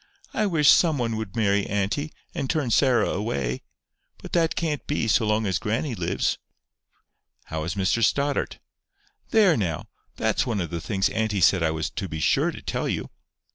"I wish some one would marry auntie, and turn Sarah away. But that couldn't be, so long as grannie lives." "How is Mr Stoddart?" "There now! That's one of the things auntie said I was to be sure to tell you."